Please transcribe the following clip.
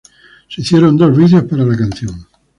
Se hicieron dos videos para la canción.